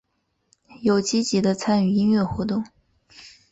有积极的参与音乐活动。